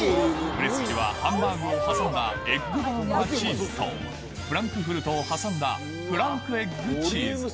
売れ筋はハンバーガーを挟んだエッグバーガーチーズと、フランクフルトを挟んだフランクエッグチーズ。